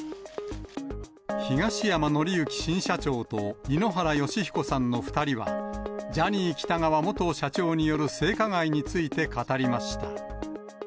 東山紀之新社長と井ノ原快彦さんの２人は、ジャニー喜多川元社長による性加害について語りました。